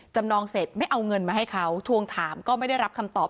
นองเสร็จไม่เอาเงินมาให้เขาทวงถามก็ไม่ได้รับคำตอบ